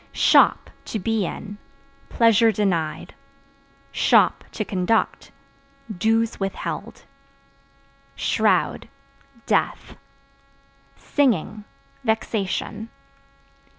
Shop (To be in) pleasure denied; (to conduct) dues withheld. Shroud Death. Singing Vexation.